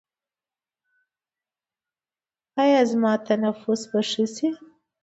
ایا زما تنفس به ښه شي؟